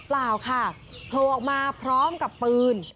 เปล่าค่ะโผล่ออกมาพร้อมกับปืน